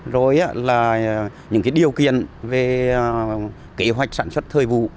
rồi là những điều kiện về kế hoạch sản xuất thời vụ